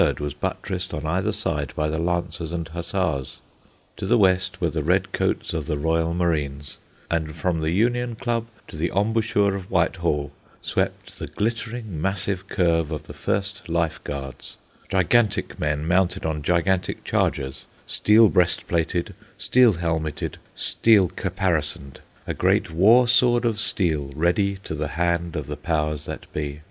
was buttressed on either side by the Lancers and Hussars. To the west were the red coats of the Royal Marines, and from the Union Club to the embouchure of Whitehall swept the glittering, massive curve of the 1st Life Guards—gigantic men mounted on gigantic chargers, steel breastplated, steel helmeted, steel caparisoned, a great war sword of steel ready to the hand of the powers that be.